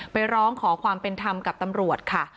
ร้องขอความเป็นธรรมกับตำรวจค่ะ